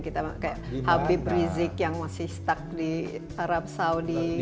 kayak habib rizik yang masih stuck di arab saudi